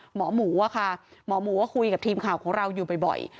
หมอหมูอะค่ะหมอหมูก็คุยกับทีมข่าวของเราอยู่บ่อย